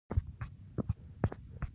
چې علمي پیچلتیا او نثري سختوالی فرق کوي.